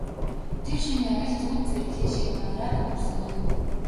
Тэр шөнө яг л зүүд зэрэглээ шиг манараад өнгөрсөн дөө.